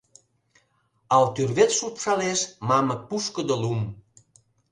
Ал тӱрвет шупшалеш Мамык пушкыдо лум.